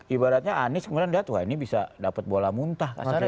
ibaratnya anies kemudian lihat wah ini bisa dapat bola muntah